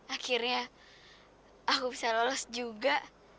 akhirnya aku bisa lolos juga